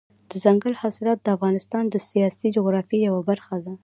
دځنګل حاصلات د افغانستان د سیاسي جغرافیې یوه برخه ده.